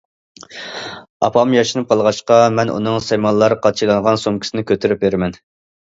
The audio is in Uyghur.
ئاپام ياشىنىپ قالغاچقا، مەن ئۇنىڭ سايمانلار قاچىلانغان سومكىسىنى كۆتۈرۈپ بېرىمەن.